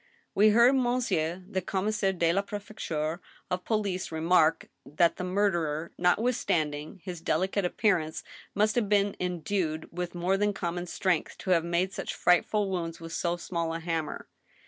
" We heard monsieur the commtssatre de la prefecteur of po lice remark that the murderer, notwithstanding his delicate appear ance, must have been endued with more than common strength to have made such frightful wounds with so small a hammer.